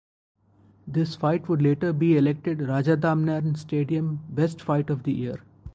This fight would later be elected Rajadamnern Stadium Best Fight of the Year.